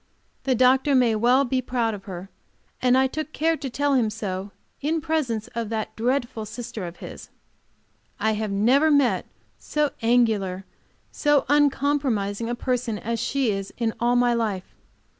The doctor may well be proud of her, and I took care to tell him so ill presence of that dreadful sister of his. I never met so angular, so uncompromising a person as she is in all my life.